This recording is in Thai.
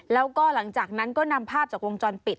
แล้วก็หลังจากนั้นก็นำภาพจากวงจรปิด